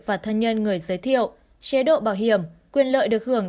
và thân nhân người giới thiệu chế độ bảo hiểm quyền lợi được hưởng